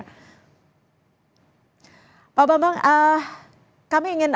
pertama sekali saya ingin mengucapkan bahwa kita sudah berhasil menangkap sepuluh tim sar gabungan